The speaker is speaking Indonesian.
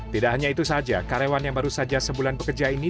tidak hanya itu saja karyawan yang baru saja sebulan bekerja ini